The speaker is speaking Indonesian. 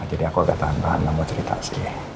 jadi aku agak tahan tahan gak mau cerita sih